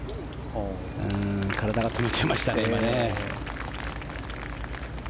体が止まっちゃいましたね。